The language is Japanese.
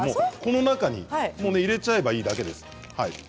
この中に入れちゃえばいいだけです。